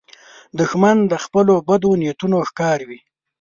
دښمن د خپلو بدو نیتونو ښکار وي